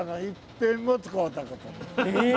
え⁉